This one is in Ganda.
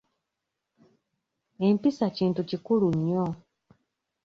Empisa Kintu kikulu nnyo.